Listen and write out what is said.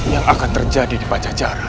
yang akan terjadi di pacara